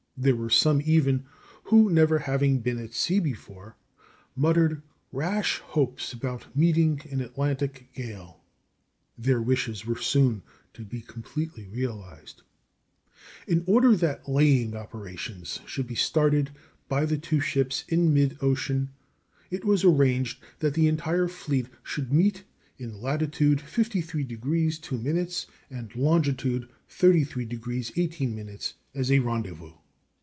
There were some even, who, never having been at sea before, muttered rash hopes about meeting an Atlantic gale. Their wishes were soon to be completely realized. In order that laying operations should be started by the two ships in mid ocean, it was arranged that the entire fleet should meet in latitude 53° 2´ and longitude 33° 18´ as a rendezvous.